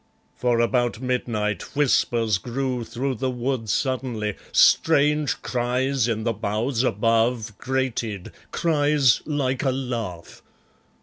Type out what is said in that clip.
For about midnight Whispers grew through the wood suddenly, strange cries in the boughs above Grated, cries like a laugh.